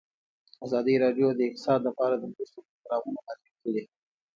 ازادي راډیو د اقتصاد لپاره د مرستو پروګرامونه معرفي کړي.